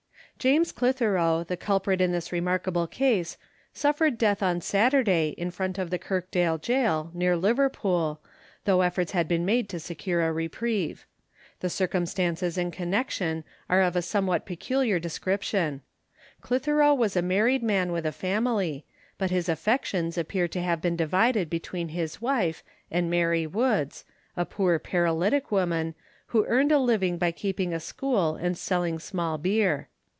James Clitheroe, the culprit in this remarkable case, suffered death on Saturday, in front of the Kirkdale gaol, near Liverpool, though efforts had been made to secure a reprieve. The circumstances in connexion are of a somewhat peculiar description. Clitheroe was a married man with a family, but his affections appear to have been divided between his wife and Mary Woods, a poor paralytic woman, who earned a living by keeping a school and selling small beer.